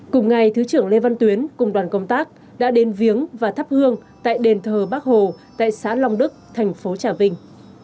cùng ngày thứ trưởng lê văn tuyến cùng đoàn công tác đã đến viếng và thắp hương tại đền thờ bắc hồ tại xã long đức thành phố trà vinh